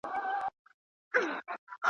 چرمګرته چي یې هرڅومره ویله ,